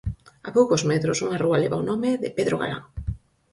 A poucos metros, unha rúa leva o nome de Pedro Galán.